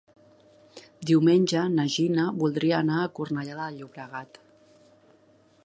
Diumenge na Gina voldria anar a Cornellà de Llobregat.